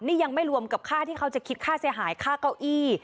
นี่ยังไม่รวมกับค่าที่เขาจะคิดค่าเสียหายค่าเก้าอี้